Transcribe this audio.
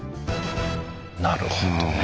なるほどね。